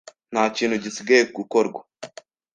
Nta kintu gisigaye gukorwa.